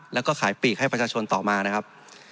แล้วก็ขายปีกให้ประชาชนต่อมานะครับ